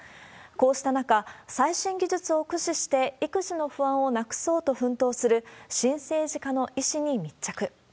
こうした中、最新技術を駆使して、育児の不安をなくそうと奮闘する、新生児科の医師に密着。